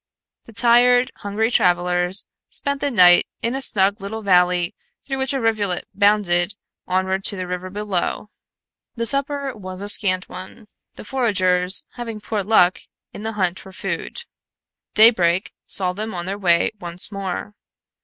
The tired, hungry travelers spent the night in a snug little valley through which a rivulet bounded onward to the river below. The supper was a scant one, the foragers having poor luck in the hunt for food. Daybreak saw them on their way once more.